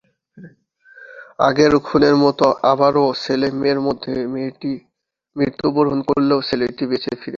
আগের খুনের মত আবারো ছেলে-মেয়ের মধ্যে মেয়েটি মৃত্যুবরণ করলেও ছেলেটি বেঁচে ফিরে।